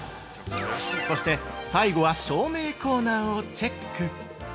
◆そして、最後は照明コーナーをチェック。